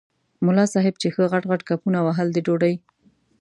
ملا صاحب چې ښه غټ غټ کپونه وهل د ډوډۍ.